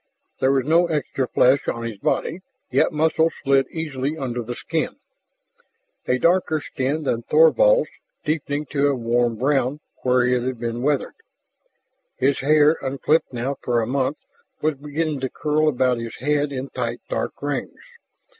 There was no extra flesh on his body, yet muscles slid easily under the skin, a darker skin than Thorvald's, deepening to a warm brown where it had been weathered. His hair, unclipped now for a month, was beginning to curl about his head in tight dark rings.